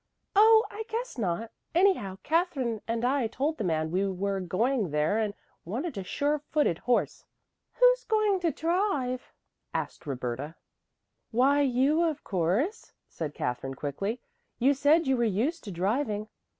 "Oh, I guess not. Anyhow Katherine and I told the man we were going there and wanted a sure footed horse." "Who's going to drive?" asked Roberta. "Why, you, of course," said Katherine quickly. "You said you were used to driving."